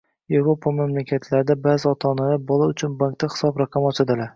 Yevropa mamlakatlarida ba’zi ota-onalar bola uchun bankda hisob raqami ochadilar.